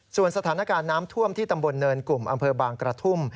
ส่วนสถานการณ์น้ำท่วมที่ตำบลเนินกลุ่มอำเภอบางกระทุ่ม